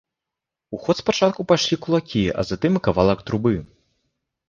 У ход спачатку пайшлі кулакі, а затым і кавалак трубы.